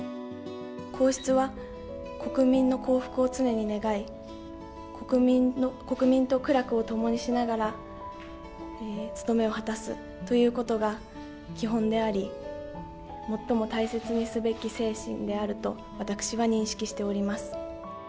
皇室は国民の幸福を常に願い、国民と苦楽を共にしながら、務めを果たすということが基本であり、最も大切にすべき精神であると、私は認識しております。